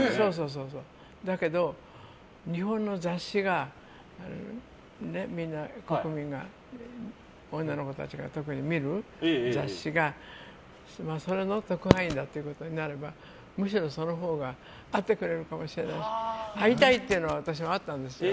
だけど、日本の雑誌がみんな、国民が特に女の子たちが見る雑誌がそれに載ってこないんだということになればむしろそのほうが会ってくれるかもしれないし会いたいって私もあったんです。